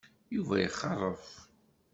Yuba ixeṛṛef.